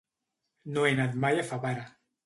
No he anat mai a Favara.